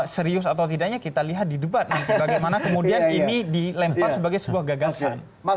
serius atau tidaknya kita lihat di debat nanti bagaimana kemudian ini dilempar sebagai sebuah gagasan